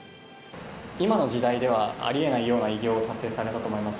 今の時代ではありえないような偉業を達成されたと思います。